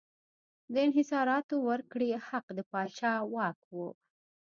د انحصاراتو ورکړې حق د پاچا واک و.